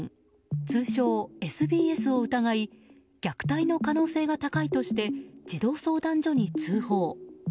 通称ＳＢＳを疑い虐待の可能性が高いとして児童相談所に通報。